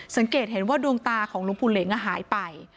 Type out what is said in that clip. สังเกตเห็นว่าดวงตาของหลวงปู่เหล็งหายไป